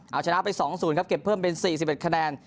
เอาชนะไปสองศูนย์ครับเก็บเพิ่มเป็นสี่สิบเอ็ดคะแนน